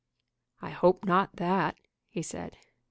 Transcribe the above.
"I hope not that," he said.